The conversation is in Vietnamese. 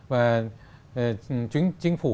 và chính phủ